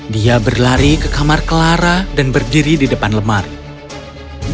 dia berlari ke kamar clara dan berdiri di depan lemari